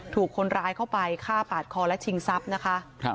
ถูกคนร้ายเข้าไปฆ่าปาดคอและชิงทรัพย์นะคะ